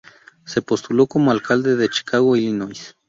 Se postuló como alcalde de Chicago, Illinois.